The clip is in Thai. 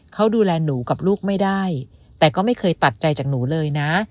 เขาดูแลหนูกับลูกไม่ได้แต่ก็ไม่เคยตัดใจจากหนูเลยนะ